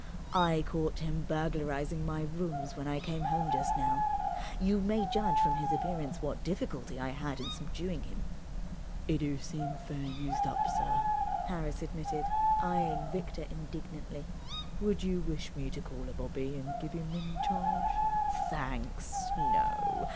I caught him burglarizing my rooms when I came home just now. You may judge from his appearance what difficulty I had in subduing him." "'E do seem fair used up, sir," Harris admitted, eyeing Victor indignantly. "Would you wish me to call a bobby and give 'im in charge?" "Thanks, no.